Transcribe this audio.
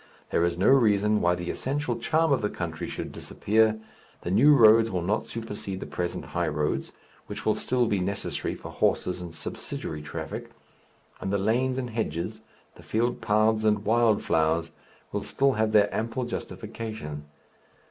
There is no reason why the essential charm of the country should disappear; the new roads will not supersede the present high roads, which will still be necessary for horses and subsidiary traffic; and the lanes and hedges, the field paths and wild flowers, will still have their ample justification.